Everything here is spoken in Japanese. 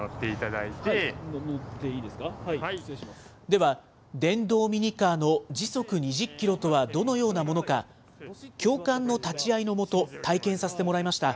では、電動ミニカーの時速２０キロとはどのようなものか、教官の立ち会いの下、体験させてもらいました。